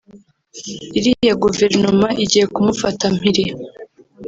iriya guverinoma igiye kumufata mpiri